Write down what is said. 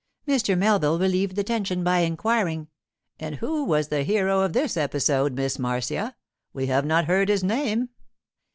Mr. Melville relieved the tension by inquiring, 'And who was the hero of this episode, Miss Marcia? We have not heard his name.